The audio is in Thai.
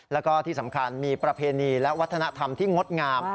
แล้วก็ที่สำคัญมีประเพณีและวัฒนธรรมที่งดงาม